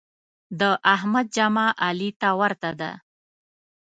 د احمد جامه علي ته ورته ده.